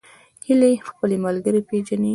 هیلۍ خپل ملګري پیژني